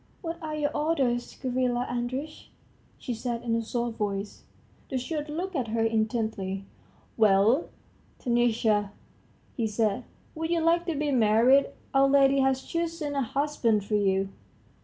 "What are your orders, Gavrila Andreitch?" she said in a soft voice. The steward looked at her intently. "Well, Taniusha," he said, "would you like to be married? Our lady has chosen a husband for you?"